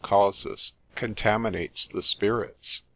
causis,) contaminates the spirits.